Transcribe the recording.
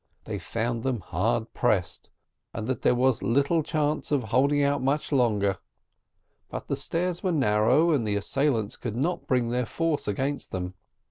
They found them hard pressed, and that there was little chance of holding out much longer; but the stairs were narrow, and the assailants could not bring their force against them.